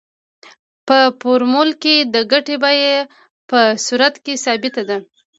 په فورمول کې د ګټې بیه په صورت کې ثابته ده